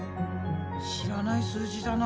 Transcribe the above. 知らない数字だな。